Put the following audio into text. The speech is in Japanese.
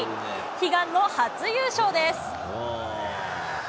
悲願の初優勝です。